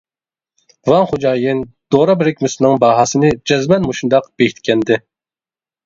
ۋاڭ خوجايىن دورا بىرىكمىسىنىڭ باھاسىنى جەزمەن مۇشۇنداق بېكىتكەنىدى.